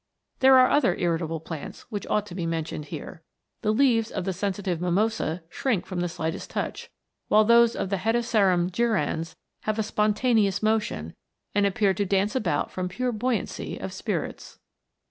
There are other irrita ble plants, which ought to be mentioned here. The leaves of the sensitive mimosa shrink from the slightest touch, while those of the Hedysarum gyrans have a spontaneous motion, and appear to dance about from pure buoyancy of spirits.